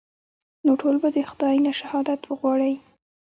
نو ټول به د خداى نه شهادت وغواړئ.